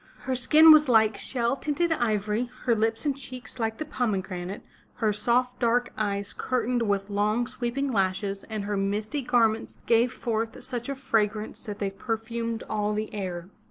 Her skin was like shell tinted ivory, her lips and cheeks like the pomegranate, her soft dark eyes curtained with long, sweeping lashes, and her misty garments gave forth such a frag rance that they perfumed all the air.